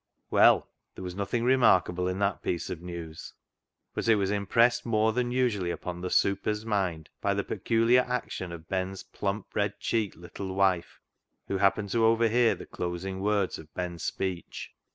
Well, there was nothing remark able in that piece of news, but it was impressed more than usually upon the " super's " mind by the peculiar action of Ben's plump, red cheeked little wife, who happened to overhear the closing words of Ben's speech.